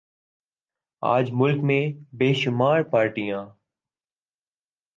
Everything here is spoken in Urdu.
آج ملک میں بے شمار پارٹیاں